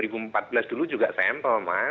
bila dua ribu empat belas dulu juga sampel mas